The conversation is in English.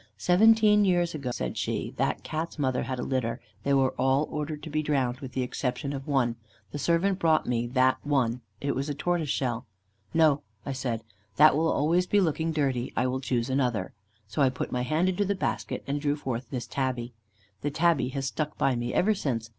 "'Seventeen years ago,' said she, 'that Cat's mother had a litter: they were all ordered to be drowned, with the exception of one; the servant brought me that one; it was a tortoiseshell. 'No,' I said, 'that will always be looking dirty; I will choose another;' so I put my hand into the basket, and drew forth this tabby. The tabby has stuck by me ever since.